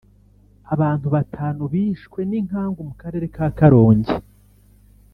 Abantu batanu bishwe n’inkangu mu karere ka Karongi